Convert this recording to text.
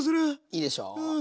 いいでしょう。